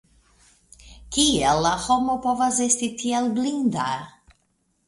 Kiel la homo povas esti tiel blinda?